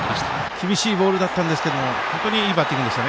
厳しいボールでしたが本当にいいバッティングでした。